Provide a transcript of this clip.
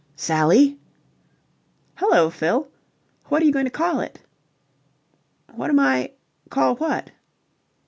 "Sally?" "Hullo, Fill. What are you going to call it?" "What am I... Call what?"